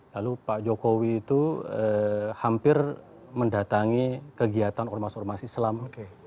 lalu pak jokowi itu hampir mendatangi kegiatan ormas ormas islam